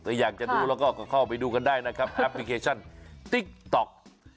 ถ้าอยากจะดูแล้วก็เข้าไปดูกันได้นะครับแอปพลิเคชันติ๊กต๊อก